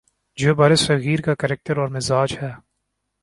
جو برصغیر کا کریکٹر اور مزاج ہے۔